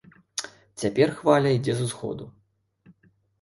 Цяпер хваля ідзе з усходу.